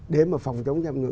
để mà phòng chống